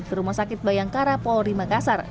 ke rumah sakit bayangkara polri makassar